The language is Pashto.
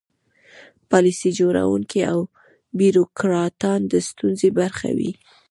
پالیسي جوړوونکي او بیروکراټان د ستونزې برخه وي.